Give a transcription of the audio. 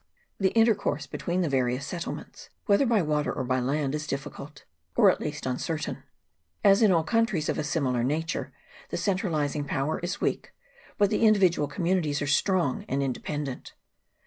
The intercourse between the various settlements, CHAP. I.] GENERAL REMARKS. 19 whether by water or by land, is difficult, or at least uncertain. As in all countries of a similar nature, the centralizing power is weak, but the individual communities are strong and independent.